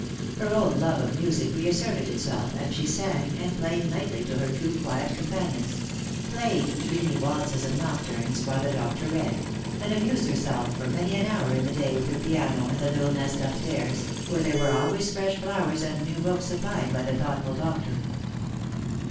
Her old love of music reasserted itself, and she sang and played nightly to her two quiet com panions; played dreamy waltzes and nocturnes, while the doctor read ; and amused herself for many an hour in the day with her piano in the little nest up stairs, where there were always fresh flowers and new books supplied by the thoughtful doctor.